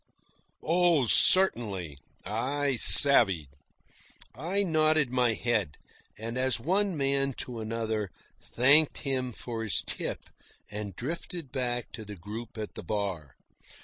Oh, certainly, I savve'd. I nodded my head, and, as one man to another, thanked him for his tip; and drifted back to the group at the bar.